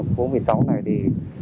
phố một mươi sáu này thì